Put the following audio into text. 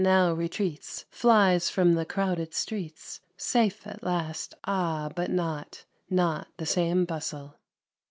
now retreats. Flies from the crowded streets. Safe at last ! ah, but not — Not the same Bustle